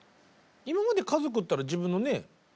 今まで家族っていったら自分のね